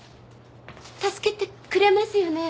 助けてくれますよね？